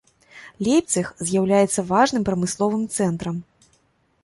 Лейпцыг з'яўляецца важным прамысловым цэнтрам.